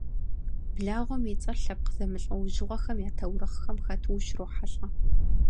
Благъуэм и цӏэр лъэпкъ зэмылӏэужьыгъуэхэм я таурыхъхэм хэту ущырохьэлӏэ.